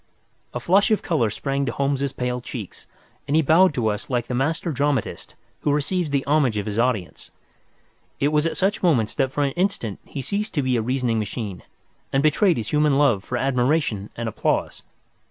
A flush of colour sprang to Holmes's pale cheeks, and he bowed to us like the master dramatist who receives the homage of his audience. It was at such moments that for an instant he ceased to be a reasoning machine, and betrayed his human love for admiration and applause.